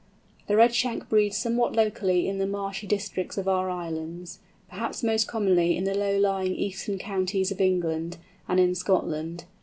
The Redshank breeds somewhat locally in the marshy districts of our islands, perhaps most commonly in the low lying eastern counties of England, and in Scotland.